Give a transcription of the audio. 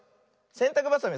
せんたくばさみをさ